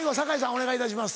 お願いいたします。